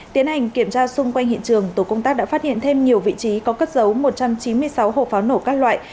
tiến hành kiểm tra xung quanh hiện trường tổ công tác đã phát hiện thêm nhiều vị trí có cất giấu một trăm chín mươi sáu hộp pháo nổ các loại